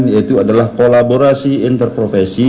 yaitu adalah kolaborasi interprofesi